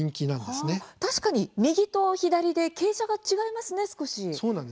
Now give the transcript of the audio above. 確かに、右と左で傾斜が違いますね、少し。